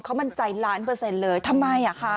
เขามั่นใจล้านเปอร์เซ็นต์เลยทำไมอ่ะคะ